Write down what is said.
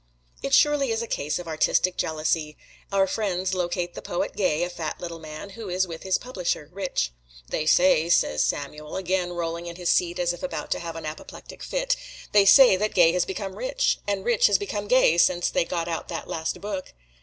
It surely is a case of artistic jealousy. Our friends locate the poet Gay, a fat little man, who is with his publisher, Rich. "They say," says Samuel, again rolling in his seat as if about to have an apoplectic fit, "they say that Gay has become rich, and Rich has become gay since they got out that last book."